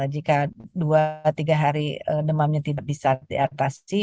jika dua tiga hari demamnya tidak bisa diatasi